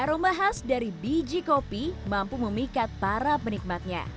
aroma khas dari biji kopi mampu memikat para penikmatnya